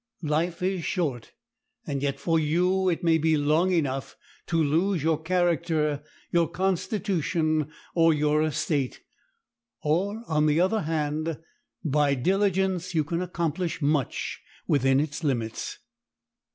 Life is short, and yet for you it may be long enough to lose your character, your constitution, or your estate; or, on the other hand, by diligence you can accomplish much within its limits.